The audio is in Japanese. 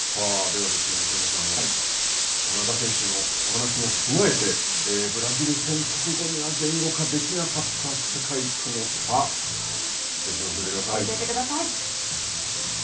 では、憲剛さん田中選手のお話も踏まえて、ブラジル戦直後には言語化できなかった世界との差、ぜひ教えてください。